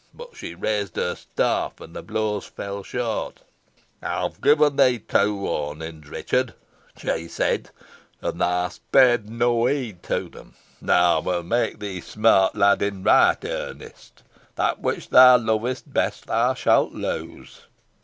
But she raised her staff, and the blows fell short. 'I have given thee two warnings, Richard,' she said, 'and thou hast paid no heed to them. Now I will make thee smart, lad, in right earnest. That which thou lovest best thou shalt lose.'